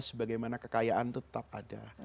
sebagaimana kekayaan itu tetap ada